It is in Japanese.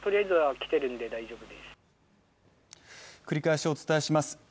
繰り返しお伝えします。